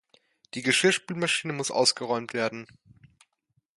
Die Geschirrspülmaschine muss ausgeräumt werden.